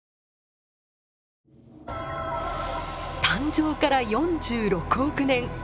誕生から４６億年。